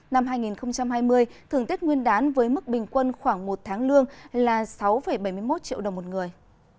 năm hai nghìn hai mươi thưởng tết nguyên đán với mức bình quân khoảng một tháng lương là sáu bảy mươi một triệu đồng một người